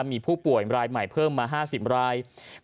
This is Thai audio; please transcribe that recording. มีผู้ป่วยรายใหม่เพิ่มมา๕๐ราย